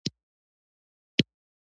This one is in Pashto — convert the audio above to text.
د لیتیم بیټرۍ کې کارول کېږي.